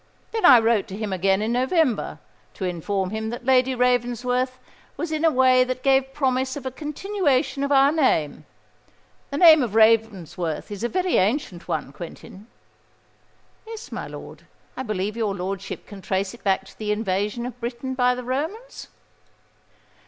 "Then I wrote to him again in November, to inform him that Lady Ravensworth was in a way that gave promise of a continuation of our name,—the name of Ravensworth is a very ancient one, Quentin——" "Yes, my lord. I believe your lordship can trace it back to the invasion of Britain by the Romans?"